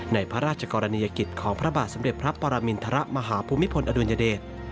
ในพระราชกรณียกิจของพระบาทสมเด็จพระปรมินทรมาฮภูมิพลอดุลยเดช